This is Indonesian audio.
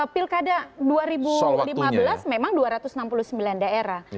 pilkada dua ribu lima belas memang dua ratus enam puluh sembilan daerah